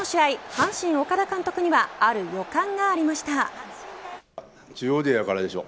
阪神、岡田監督にはある予感がありました。